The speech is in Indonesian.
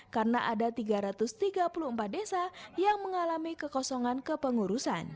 karena ada tiga ratus tiga puluh empat desa yang mengalami kekosongan kepengurusan